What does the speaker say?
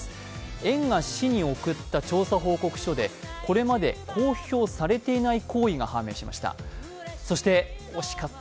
園が市に送った調査報告書でこれまで公表されていない行為が判明しました。